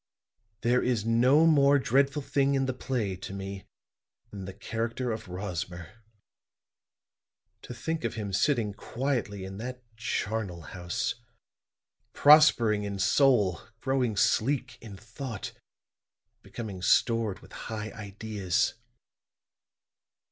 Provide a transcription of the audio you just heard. There is no more dreadful thing in the play, to me, than the character of Rosmer. To think of him sitting quietly in that charnel house, prospering in soul, growing sleek in thought, becoming stored with high ideas.